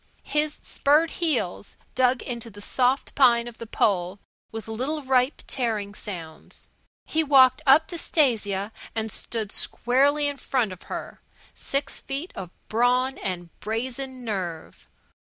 His spurred heels dug into the soft pine of the pole with little ripe, tearing sounds. He walked up to Stasia and stood squarely in front of her, six feet of brawn and brazen nerve.